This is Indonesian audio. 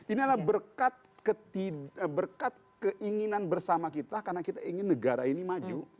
ini adalah berkat keinginan bersama kita karena kita ingin negara ini maju